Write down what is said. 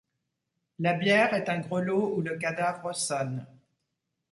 La bière est un grelot où le cadavre sonne ;